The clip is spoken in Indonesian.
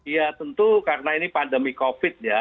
ya tentu karena ini pandemi covid ya